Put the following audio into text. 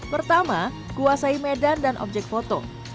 pertama kuasai medan dan objek foto